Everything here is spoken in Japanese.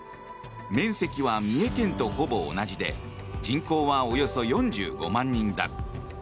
面積は三重県とほぼ同じで人口はおよそ４５万人だ。